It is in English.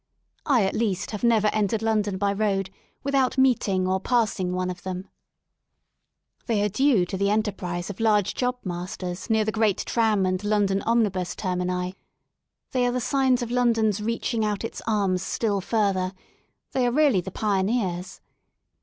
I at least have never entered London by road without meeting or passing one of them. 42 ROADS INTO LONDON They are due to the enterpriseof large job masters near the great tram and London omnibus termini; they are the signs of London's reaching out its arms still further; they are really the pioneers.